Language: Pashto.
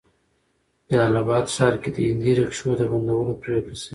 جلال آباد ښار کې د هندي ريکشو د بندولو پريکړه شوې